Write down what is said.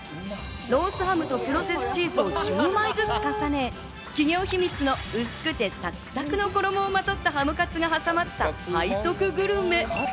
ロースハムとプロセスチーズを１０枚ずつ重ね、企業秘密の薄くてサクサクの衣をまとったハムカツが挟まった背徳グルメ。